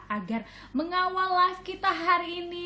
agar mengawal live kita hari ini